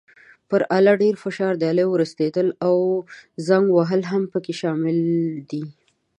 پر آله ډېر فشار، د آلې ورستېدل او زنګ وهل هم پکې شامل دي.